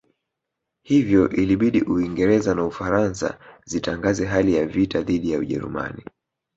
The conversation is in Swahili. Hivyo ilibidi Uingereza na Ufaransa zitangaze hali ya vita dhidi ya Ujerumani